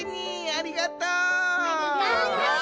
ありがとう！